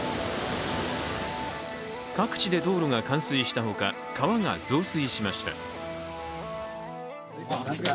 各地で道路が冠水したほか川が増水しました。